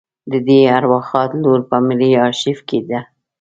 د دې ارواښاد لور په ملي آرشیف کې ده.